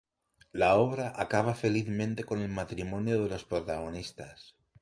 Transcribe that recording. La obra acaba felizmente con el matrimonio de los protagonistas.